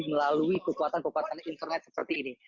melalui kekuatan kekuatan internet seperti ini